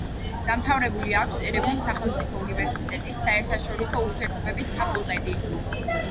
დამთავრებული აქვს ერევნის სახელმწიფო უნივერსიტეტის საერთაშორისო ურთიერთობების ფაკულტეტი.